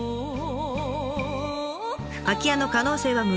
空き家の可能性は無限大！